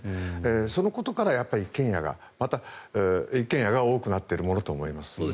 そのことから一軒家が多くなっているものと思います。